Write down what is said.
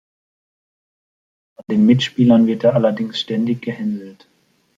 Von den Mitspielern wird er allerdings ständig gehänselt.